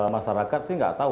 masyarakat sih tidak tahu